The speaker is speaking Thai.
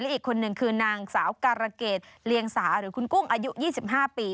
อีกคนนึงคือนางสาวการะเกดเลียงสาหรือคุณกุ้งอายุ๒๕ปี